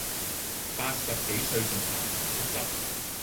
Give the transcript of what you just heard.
八十幾歲仲咸咸濕濕